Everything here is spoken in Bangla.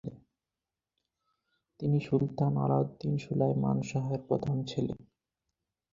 তিনি সুলতান আলাউদ্দিন সুলাইমান শাহর প্রথম ছেলে।